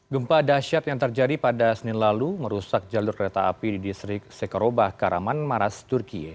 gempa dasyat yang terjadi pada senin lalu merusak jalur kereta api di distrik sekarobah karaman maras turkiye